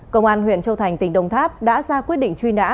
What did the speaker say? công an huyện châu thành tỉnh đồng tháp đã ra quyết định truy nã